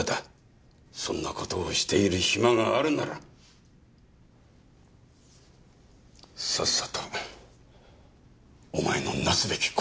そんな事をしている暇があるならさっさとお前のなすべき事をなせ！